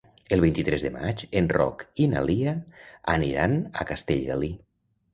El vint-i-tres de maig en Roc i na Lia aniran a Castellgalí.